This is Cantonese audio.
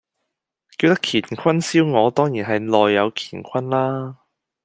叫得乾坤燒鵝，當然係內有乾坤啦